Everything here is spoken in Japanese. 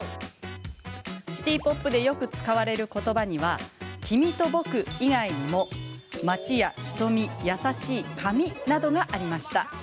シティ・ポップでよく使われる言葉には「君」と「僕」以外にも「街」や「瞳」「やさしい」「髪」などがありました。